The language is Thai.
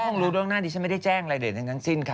เขาคงรู้เรื่องหน้าดิฉันไม่ได้แจ้งอะไรเดลินข้างสิ้นค่ะ